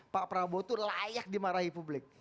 pak prabowo itu layak dimarahi publik